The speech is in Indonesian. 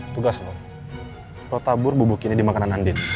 tugas lo lo tabur bubuk ini di makanan andin